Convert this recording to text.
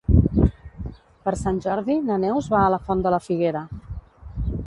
Per Sant Jordi na Neus va a la Font de la Figuera.